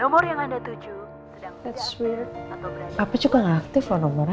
papa juga gak aktif loh nomornya